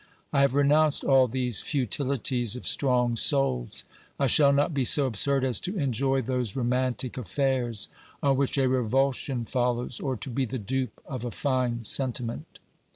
I have renounced all these futilities of strong souls ; I shall not be so absurd as to enjoy those romantic affairs on which a revulsion follows, or to be the dupe of a fine sentiment.